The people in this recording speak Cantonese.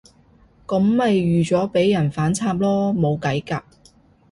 噉咪預咗畀人反插囉，冇計㗎